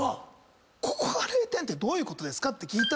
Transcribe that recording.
ここが０点ってどういうこと？って聞いたら。